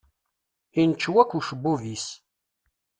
Incew akk ucebbub-is.